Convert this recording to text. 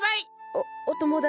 おお友達？